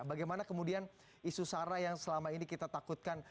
bagaimana kemudian isu sara yang selama ini kita takutkan